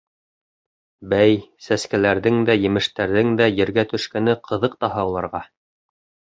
Бәй, сәскәләрҙең дә, емештәрҙең дә ергә төшкәне ҡыҙыҡ таһа уларға.